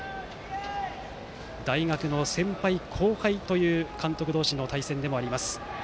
大学の先輩・後輩という監督同士の対戦でもあります。